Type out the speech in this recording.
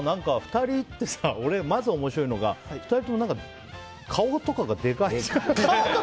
２人ってさ、俺、まず面白いのが２人とも顔とかがでかいじゃん。